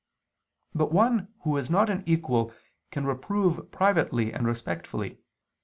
But one who is not an equal can reprove privately and respectfully.